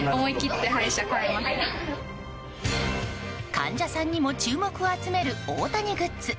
患者さんにも注目を集める大谷グッズ。